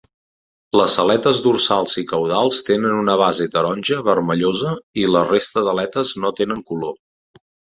Les aletes dorsals i caudals tenen una base taronja vermellosa i la resta d'aletes no tenen color.